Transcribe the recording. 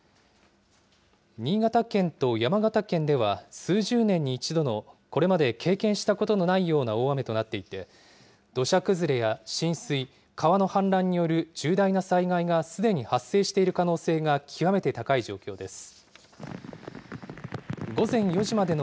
新潟県と山形県では数十年に一度のこれまで経験したことのないような、大雨となっていて土砂崩れや浸水川の氾濫による重大な災害がすでに発生している可能性が極めて高い状況です。